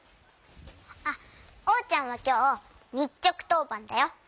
あっおうちゃんはきょうにっちょくとうばんだよ。